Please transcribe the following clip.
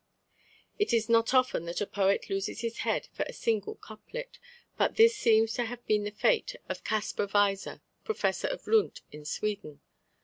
It is not often that a poet loses his head for a single couplet, but this seems to have been the fate of Caspar Weiser, Professor of Lund in Sweden.